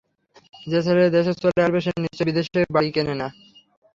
যে ছেলে দেশে চলে আসবে, সে নিশ্চয় বিদেশে বাড়ি কেনে না।